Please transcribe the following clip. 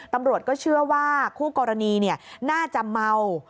ตำรวจก็เชื่อว่าคู่กรณีน่าจะเมา